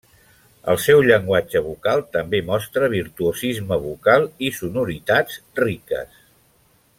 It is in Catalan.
El seu llenguatge vocal també mostra virtuosisme vocal i sonoritats riques.